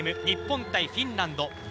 日本対フィンランド。